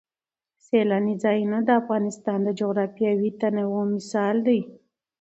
سیلانی ځایونه د افغانستان د جغرافیوي تنوع مثال دی.